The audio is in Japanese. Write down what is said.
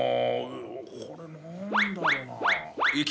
これ何だろうな。